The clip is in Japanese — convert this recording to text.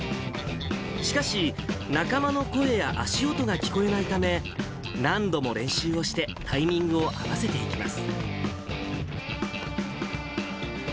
しかし、仲間の声や足音が聞こえないため、何度も練習をして、タイミングを合わせていきます。